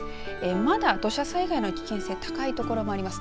まだ土砂災害の危険性高いところもあります。